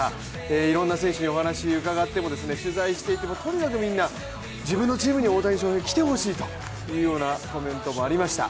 いろんな選手にお話をうかがっても、取材していても、とにかくみんな自分のチームに大谷翔平、来てほしいというコメントもありました。